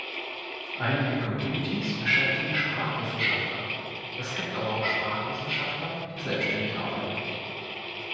Einige Communities beschäftigen Sprachwissenschaftler, es gibt aber auch Sprachwissenschaftler, die selbständig arbeiten.